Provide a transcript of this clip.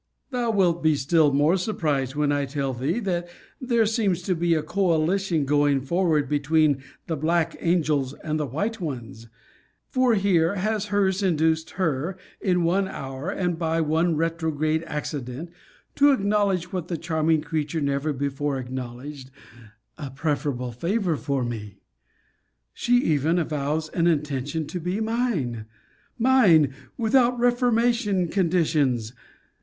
Thou wilt be still the more surprised, when I tell thee, that there seems to be a coalition going forward between the black angels and the white ones; for here has her's induced her, in one hour, and by one retrograde accident, to acknowledge what the charming creature never before acknowledged, a preferable favour for me. She even avows an intention to be mine. Mine! without reformation conditions!